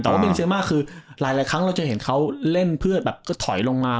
แต่ว่าบินเซอร์มาคือหลายครั้งเราจะเห็นเขาเล่นเพื่อแบบก็ถอยลงมา